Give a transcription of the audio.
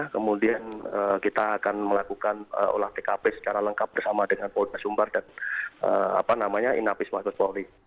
kemudian kita akan melakukan olah tkp secara lengkap bersama dengan polda sumbar dan inafis mabes polri